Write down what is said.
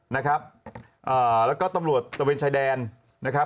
นะครับอ่าแล้วก็ตำรวจตะเวนชายแดนนะครับ